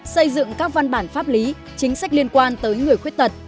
xây dựng các văn bản pháp lý chính sách liên quan tới người khuyết tật